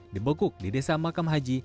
dibekuk di desa makam haji